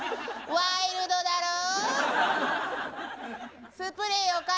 ワイルドだろぉ。